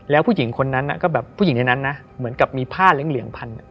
แล้วผู้หญิงในนั้นนะเหมือนกับมีผ้าเหลืองพัน